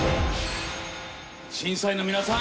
審査員の皆さん。